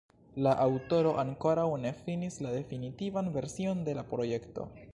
La aŭtoro ankoraŭ ne finis la definitivan version de la projekto.